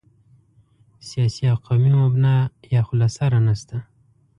سیاسي او قومي مبنا یا خو له سره نشته.